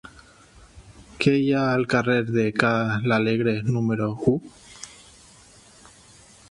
Què hi ha al carrer de Ca l'Alegre número u?